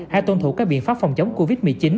hãy tôn thủ các biện pháp phòng chống covid một mươi chín